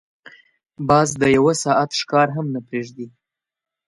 باز د یو ساعت ښکار هم نه پریږدي